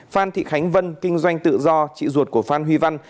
phan thị khánh vân kinh doanh tự do chị ruột của phan huy văn